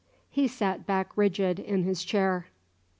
He sat back rigid in his chair.